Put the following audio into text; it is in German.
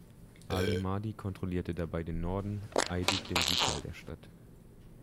Ali Mahdi kontrollierte dabei den Norden, Aidid den Südteil der Stadt.